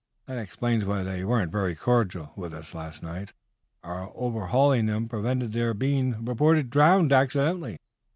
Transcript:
That explains why they weren't very cordial with us last night. Our overhauling them prevented their being reported drowned accidentally."